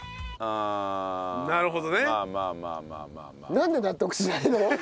なんで納得しないの？